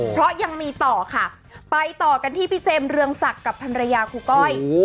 เพราะยังมีต่อค่ะไปต่อกันที่พี่เจมส์เรืองศักดิ์กับภรรยาครูก้อย